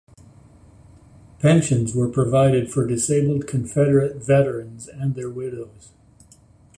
Pensions were provided for disabled Confederate veterans and their widows.